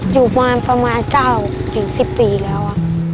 อยู่มาประมาณ๙๑๐ปีแล้ว